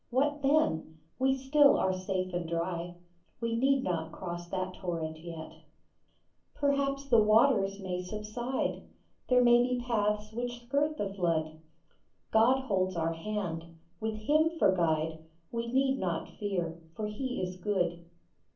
What then ? We still are safe and dry ; We need not cross that torrent yet ! Perhaps the waters may subside ; There may be paths which skirt the flood. God holds our hand. With him for guide We need not fear ; for he is good.